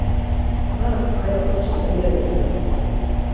Mara aya ǩoçi ğureri ren.